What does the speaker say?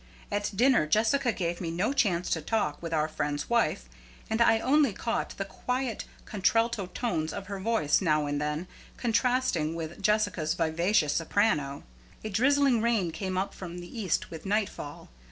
At dinner Jessica gave me no chance to talk with our friend's wife, and I only caught the quiet contralto tones of her voice now and then contrasting with Jessica's vivacious soprano. A drizzling rain came up from the east with nightfall.